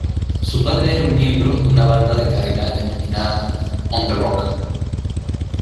Su padre era un miembro de una banda de cadena denominada "On The Rock".